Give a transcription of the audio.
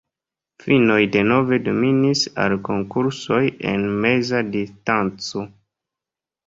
Finnoj denove dominis al konkursoj en meza distanco.